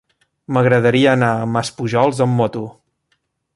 M'agradaria anar a Maspujols amb moto.